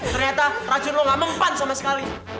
ternyata racun lo gak mempan sama sekali